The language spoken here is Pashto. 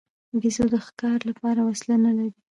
بیزو د ښکار لپاره وسلې نه لري.